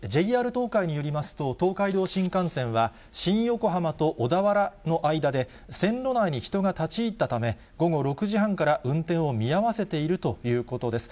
ＪＲ東海によりますと、東海道新幹線は、新横浜と小田原の間で、線路内に人が立ち入ったため、午後６時半から運転を見合わせているということです。